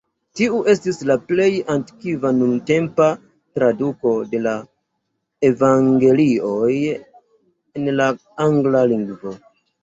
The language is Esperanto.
Tiu estis la plej antikva nuntempa traduko de la Evangelioj en la angla lingvo.